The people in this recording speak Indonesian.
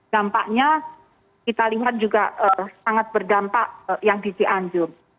dampaknya kita lihat juga sangat berdampak yang di cianjur